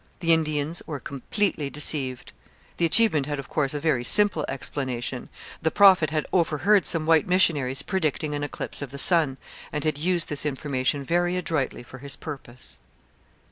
The Indians were completely deceived. The achievement had, of course, a very simple explanation: the Prophet had overheard some white missionaries predicting an eclipse of the sun, and had used this information very adroitly for his purpose.